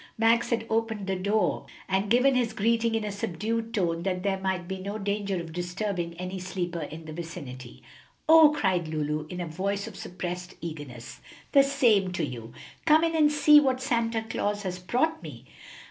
Max had opened the door and given his greeting in a subdued tone that there might be no danger of disturbing any sleeper in the vicinity. "Oh!" cried Lulu, in a voice of suppressed eagerness, "the same to you! Come in and see what Santa Claus has brought me."